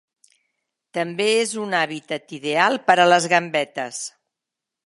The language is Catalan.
També és un hàbitat ideal per a les gambetes.